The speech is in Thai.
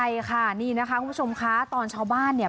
ใช่ค่ะนี่นะคะคุณผู้ชมคะตอนชาวบ้านเนี่ย